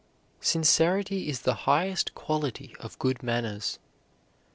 Sincerity is the highest quality of good manners.